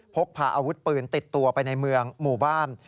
พกพาอาวุธปืนติดตัวไปในเมืองหมู่บ้าน